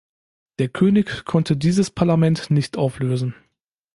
Der König konnte dieses Parlament nicht auflösen.